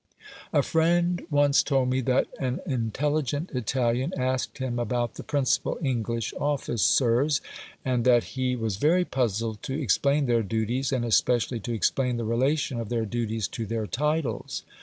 A friend once told me that an intelligent Italian asked him about the principal English officers, and that he was very puzzled to explain their duties, and especially to explain the relation of their duties to their titles.